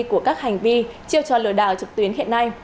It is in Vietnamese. của các hành vi chiêu cho lừa đảo trực tuyến hiện nay